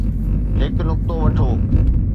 هڪ نقطو وٺو.